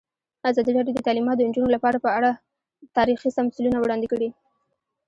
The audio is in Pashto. ازادي راډیو د تعلیمات د نجونو لپاره په اړه تاریخي تمثیلونه وړاندې کړي.